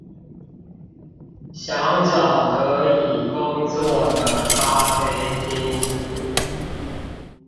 想找可以工作的咖啡廳